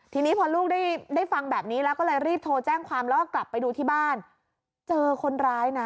ทีนี้พอลูกได้ได้ฟังแบบนี้แล้วก็เลยรีบโทรแจ้งความแล้วก็กลับไปดูที่บ้านเจอคนร้ายนะ